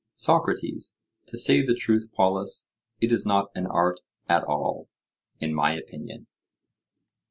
SOCRATES: To say the truth, Polus, it is not an art at all, in my opinion.